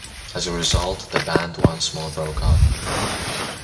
As a result, the band once more broke up.